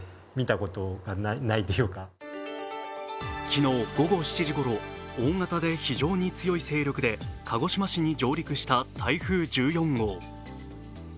昨日午後７時ごろ、大型で非常に強い勢力で鹿児島市に上陸した台風１４号。